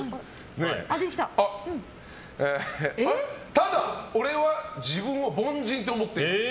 ただ俺は自分を凡人って思ってますと。